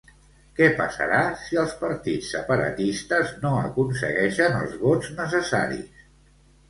Què passarà si els partits separatistes no aconsegueixen els vots necessaris?